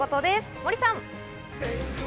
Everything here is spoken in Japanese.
森さん。